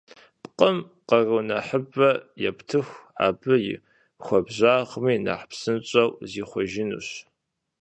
Пкъым къару нэхъыбэ ептыху, абы и хуабжьагъми нэхъ псынщӏэу зихъуэжынущ.